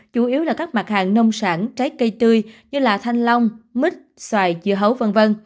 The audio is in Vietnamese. chủ yếu là các mặt hàng nông sản trái cây tươi như thanh long mít xoài dưa hấu v v